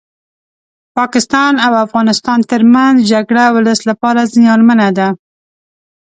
پاکستان او افغانستان ترمنځ جګړه ولس لپاره زيانمنه ده